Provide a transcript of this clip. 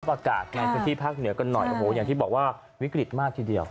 อากาศมันคือที่พร้อมเหนือกันหน่อยอย่างที่บอกว่าวิกฤตมากทีเดียว